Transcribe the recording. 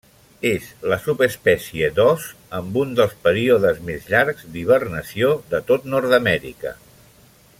És la subespècie d'ós amb un dels períodes més llargs d'hibernació de tot Nord-amèrica.